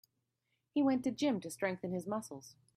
He went to gym to strengthen his muscles.